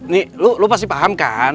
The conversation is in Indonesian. nih lu lo pasti paham kan